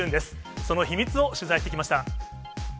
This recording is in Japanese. その秘密を取材してきました。